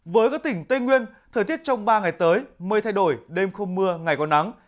với các tỉnh tây nguyên thời tiết trong ba ngày tới mây thay đổi đêm không mưa ngày còn nắng